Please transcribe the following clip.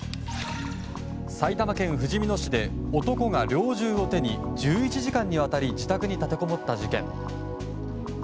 埼玉県ふじみ野市で男が猟銃を手に１１時間にわたり自宅に立てこもった事件。